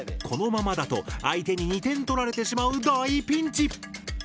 このままだと相手に２点取られてしまう大ピンチ！